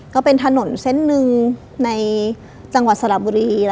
จะเป็นถนนเซทนึงในจังหวัดสระบุรี